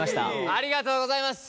ありがとうございます。